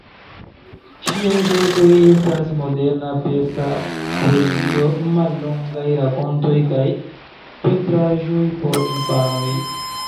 Ŝiaj verkoj estas moderna Persa poezio, mallongaj rakontoj, kaj pentraĵoj por infanoj.